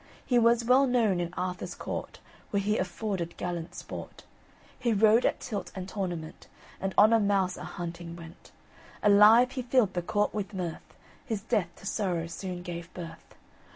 He was well known in Arthur's court, Where he afforded gallant sport; He rode at tilt and tournament, And on a mouse a hunting went. Alive he filled the court with mirth; His death to sorrow soon gave birth.